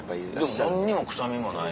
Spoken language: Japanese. でも何にも臭みもない。